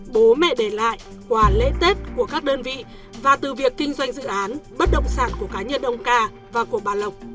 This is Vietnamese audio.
bố mẹ để lại quà lễ tết của các đơn vị và từ việc kinh doanh dự án bất động sản của cá nhân ông ca và của bà lộc